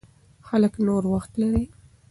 خلک نور وخت لري.